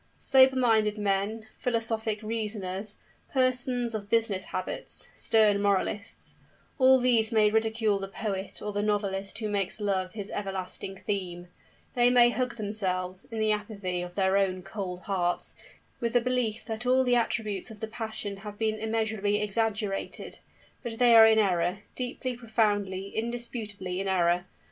Sober minded men, philosophic reasoners, persons of business habits, stern moralists all these may ridicule the poet or the novelist who makes Love his everlasting theme; they may hug themselves, in the apathy of their own cold hearts, with the belief that all the attributes of the passion have been immensely exaggerated; but they are in error, deeply, profoundly, indisputably in error.